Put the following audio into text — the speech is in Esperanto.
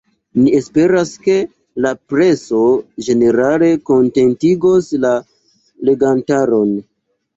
Ni esperas, ke la preso ĝenerale kontentigos la legantaron.